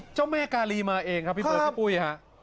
เจ้าแม่กาลีมาเองครับพี่เบิร์ดพี่ปุ้ยฮะ